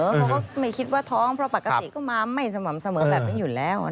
เขาก็ไม่คิดว่าท้องเพราะปกติก็มาไม่สม่ำเสมอแบบนี้อยู่แล้ว